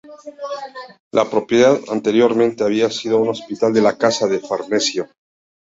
La propiedad anteriormente había sido un hospital de la Casa de Farnesio.